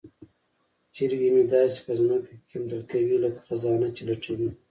چرګې مې داسې په ځمکه کې کیندل کوي لکه خزانه چې لټوي.